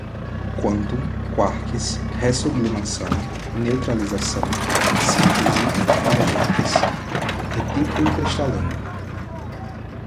quantum, quarks, re-sublimação, neutralização, síntese, reagentes, retículo cristalino